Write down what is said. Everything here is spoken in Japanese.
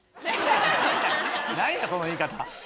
何やその言い方。